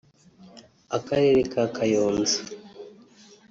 Akarere ka Kayonza